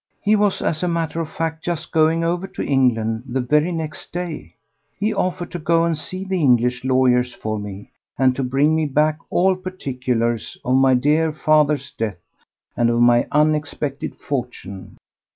He was, as a matter of fact, just going over to England the very next day. He offered to go and see the English lawyers for me, and to bring me back all particulars of my dear father's death and of my unexpected fortune."